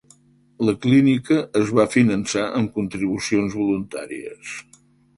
La clínica es va finançar amb contribucions voluntàries.